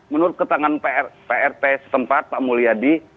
menurut keterangan prt setempat pak mulyadi